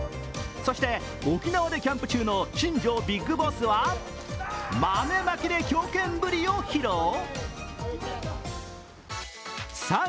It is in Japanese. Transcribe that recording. そして、沖縄でキャンプ中の新庄ビッグボスは、豆まきで強肩ぶりを披露。